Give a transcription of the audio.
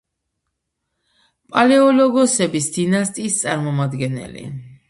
პალეოლოგოსების დინასტიის წარმომადგენელი.